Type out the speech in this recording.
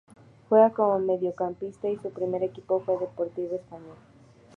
Juega como mediocampista y su primer equipo fue Deportivo Español.